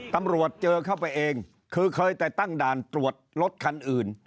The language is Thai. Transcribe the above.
ตำรวจเจอเข้าไปเองคือเคยแต่ตั้งด่านตรวจรถคันอื่น